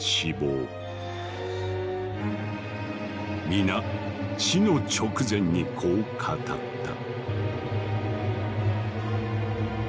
皆死の直前にこう語った。